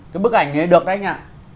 cái bức ảnh này được đấy anh ạ